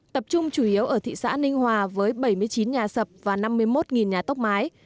tập trung chủ yếu ở thị xã ninh hòa với bảy mươi chín nhà sập và năm mươi một nhà tốc mái